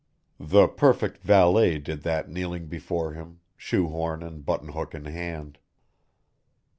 The perfect valet did that kneeling before him, shoe horn and button hook in hand.